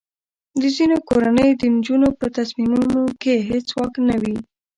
د ځینو کورنیو د نجونو په تصمیمونو کې هیڅ واک نه وي.